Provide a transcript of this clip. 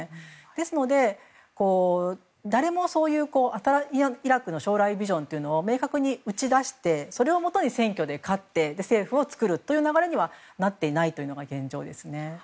ですので、誰もそういう新しいイラクの将来ビジョンを明確に打ち出してそれをもとに選挙で勝って政府を作る流れにはなっていないのが現状です。